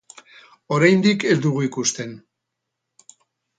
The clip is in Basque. Oraindik ez dugu ikusten.